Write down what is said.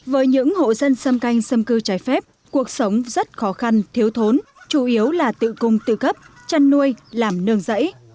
với những hộ dân xâm canh xâm cư trái phép cuộc sống rất khó khăn thiếu thốn chủ yếu là tự cung tự cấp chăn nuôi làm nương rẫy